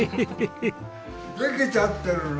できちゃってるの。